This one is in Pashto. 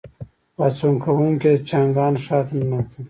پاڅون کوونکي د چانګان ښار ته ننوتل.